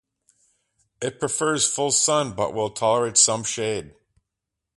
It prefers full sun but will tolerate some shade.